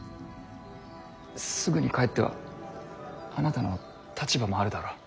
すぐに帰ってはあなたの立場もあるだろう。